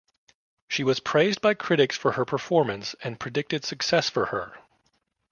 She was praised by critics for her performance and predicted success for her.